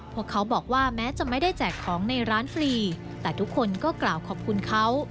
พวกเขาบอกว่าแม้จะไม่ได้แจกของในร้านฟรีแต่ทุกคนก็กล่าวขอบคุณเขา